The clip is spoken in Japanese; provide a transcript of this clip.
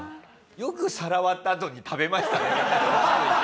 よく皿割ったあとに食べましたね落ち着いて。